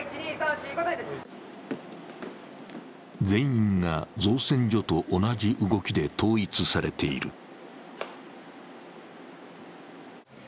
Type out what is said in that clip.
全員が造船所と同じ動きで統一されている。